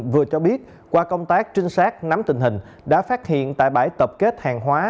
vừa cho biết qua công tác trinh sát nắm tình hình đã phát hiện tại bãi tập kết hàng hóa